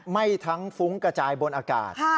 ไหม้ทั้งฟุ้งกระจายบนอากาศ